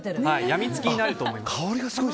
やみつきになると思います。